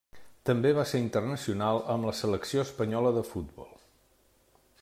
També va ser internacional amb la selecció espanyola de futbol.